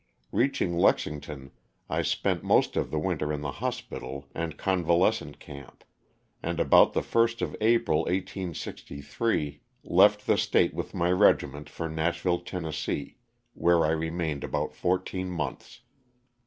Reaching Lexington I spent most of the winter in the hospital and conva lescent camp, and about the first of April, 1863, left the State with my regiment for Nashville, Tenn., where I remained about fourteen months.